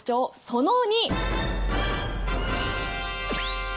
その２！